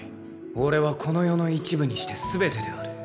俺はこの世の一部にして全てである。